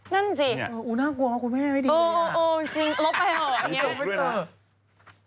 นั่นสิโอ๊ยน่ากลัวคุณแม่ไม่ดีอ่ะอ๋อจริงลบไปเหรออย่างเงี้ย